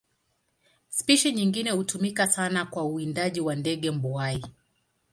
Spishi nyingine hutumika sana kwa uwindaji kwa ndege mbuai.